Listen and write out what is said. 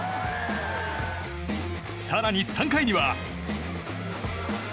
更に３回には。